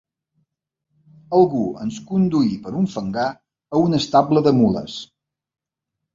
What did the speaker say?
Algú ens conduí, per un fangar, a un estable de mules